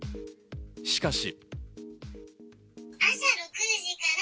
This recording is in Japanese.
しかし。